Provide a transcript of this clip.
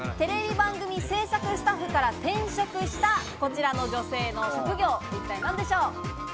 番組制作スタッフから転職したこちらの女性の職業、一体何でしょう？